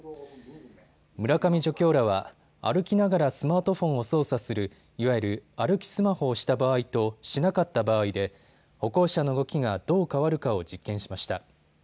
村上助教らは歩きながらスマートフォンを操作する、いわゆる歩きスマホをした場合としなかった場合で歩行者の動きがどう変わるかを実験しました。